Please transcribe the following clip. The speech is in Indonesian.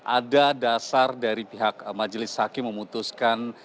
ada dasar dari pihak majelis hakim memutuskan